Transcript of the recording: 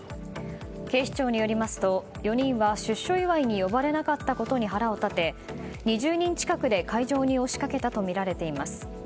警視庁によりますと４人は出所祝いに呼ばれなかったことに腹を立て２０人近くで会場に押し掛けたとみられています。